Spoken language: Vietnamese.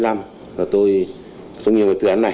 là tôi phân nghiệm về tư án này